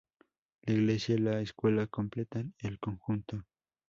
La iglesia y la escuela completan el conjunto.